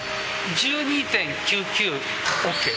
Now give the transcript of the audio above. １２．９９、ＯＫ。